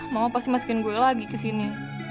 mama pasti masukin gue lagi kesini